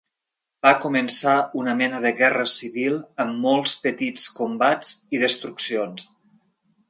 Va començar una mena de guerra civil amb molts petits combats i destruccions.